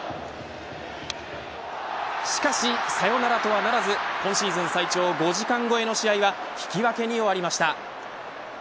しかし、サヨナラとはならず今シーズン最長５時間越えの試合は引き分けに終わりました。